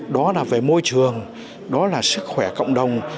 đó là về môi trường đó là sức khỏe cộng đồng